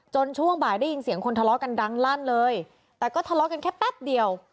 ช่วงบ่ายได้ยินเสียงคนทะเลาะกันดังลั่นเลยแต่ก็ทะเลาะกันแค่แป๊บเดียว